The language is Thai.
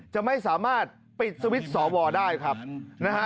จะไม่สามารถปิดสวิตช์สอวอได้ครับนะฮะ